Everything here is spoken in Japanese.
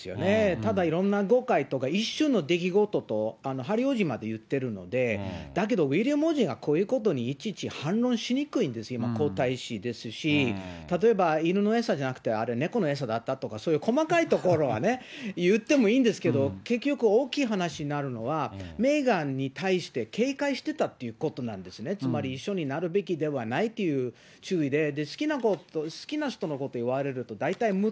ただ、いろんな誤解とか一瞬の出来事と、ハリー王子迄言ってるので、だけど、ウィリアム王子がこういうことにいちいち反論しにくいんですよ、今、皇太子ですし、例えば犬の餌じゃなくてあれ、猫の餌だったとか、そういう細かいところは言ってもいいんですけれども、結局、大きい話になるのは、メーガンに対して警戒してたっていうことなんですね、つまり、いうのは、難しいところですよね。